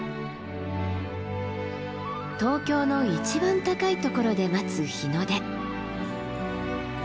東京の一番高いところで待つ日の出。